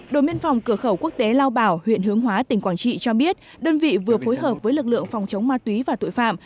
đội biên phòng cửa khẩu quốc tế lao bảo huyện hướng hóa tỉnh quảng trị cho biết đơn vị vừa phối hợp với lực lượng phòng chống ma túy và tội phạm